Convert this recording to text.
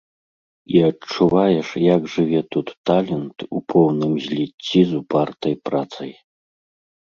І адчуваеш, як жыве тут талент у поўным зліцці з упартай працай.